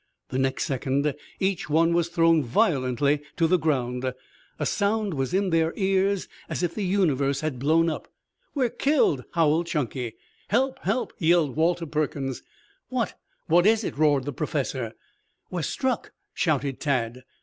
The next second each one was thrown violently to the ground. A sound was in their ears as if the universe had blown up. "We're killed!" howled Chunky. "Help, help!" yelled Walter Perkins. "What what is it?" roared the Professor. "We're struck!" shouted Tad.